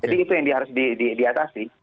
jadi itu yang harus diatasi